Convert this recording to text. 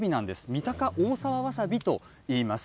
三鷹大沢わさびといいます。